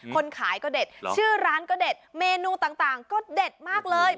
คนขายก็เด็ดชื่อร้านก็เด็ดเมนูต่างก็เด็ดมากเลย